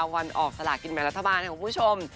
วันออกสลากินแบ่งรัฐบาลค่ะคุณผู้ชม